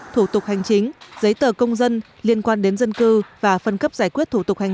thủ tục hành chính giấy tờ công dân liên quan đến dân cư và phân cấp giải quyết thủ tục hành